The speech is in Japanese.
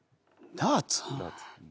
ダーツ？